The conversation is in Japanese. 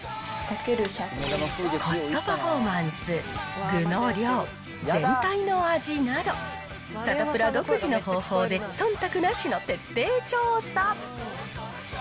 コストパフォーマンス、具の量、全体の味など、サタプラ独自の方法で、そんたくなしの徹底調査。